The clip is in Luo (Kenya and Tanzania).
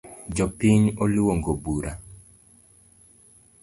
Jopiny oluongo bura